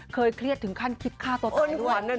เครียดถึงขั้นคิดฆ่าตัวตายทุกวัน